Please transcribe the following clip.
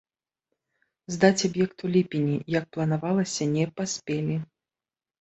Здаць аб'ект у ліпені, як планавалася, не паспелі.